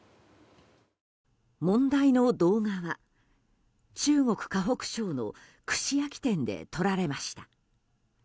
問題の動画は中国・河北省の串焼き店で撮られました。